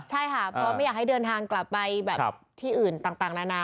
ใช่ค่ะเพราะไม่อยากให้เดินทางกลับไปแบบที่อื่นต่างนานา